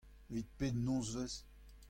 Evit pet nozvezh ?